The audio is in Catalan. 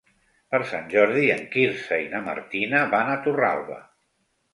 Per Sant Jordi en Quirze i na Martina van a Torralba.